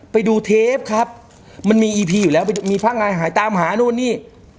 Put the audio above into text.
ไปดูเทปครับมันมีอีพีอยู่แล้วมีพระไงหายตามหานู่นนี่